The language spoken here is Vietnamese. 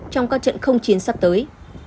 trong các trận không chiến sắp tới